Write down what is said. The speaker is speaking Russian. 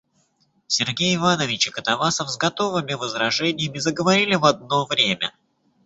Сергей Иванович и Катавасов с готовыми возражениями заговорили в одно время.